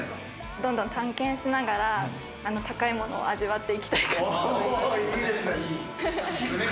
どんどん探検しながら高いものを味わっていきたいかなと。